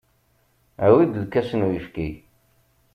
Awi-d lkas n uyefki.